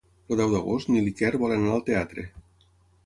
El deu d'agost en Nil i en Quer volen anar al teatre.